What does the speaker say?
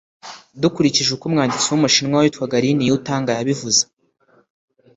dukurikije uko umwanditsi w’umushinwa witwaga lin yutang yabivuze